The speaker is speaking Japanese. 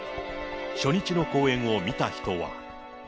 初日の公演を見た人は。